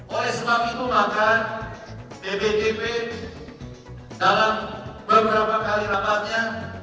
oleh sebab itu maka bpdp dalam beberapa kali rapatnya